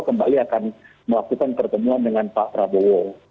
kembali akan melakukan pertemuan dengan pak prabowo